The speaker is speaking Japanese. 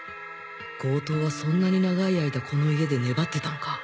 強盗はそんなに長い間この家で粘ってたのか？